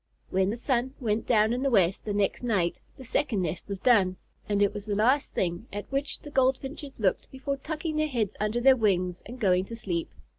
When the sun went down in the west the next night the second nest was done, and it was the last thing at which the Goldfinches looked before tucking their heads under their wings and going to sleep.